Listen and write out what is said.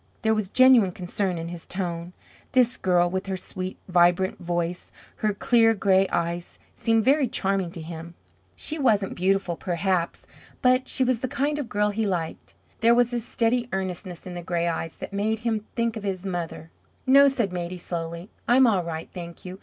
There was genuine concern in his tone. This girl, with her sweet, vibrant voice, her clear gray eyes, seemed very charming to him. She wasn't beautiful, perhaps, but she was the kind of girl he liked. There was a steady earnestness in the gray eyes that made him think of his mother. "No," said Maidie, slowly. "I'm all right, thank you.